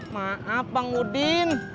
maaf bang udin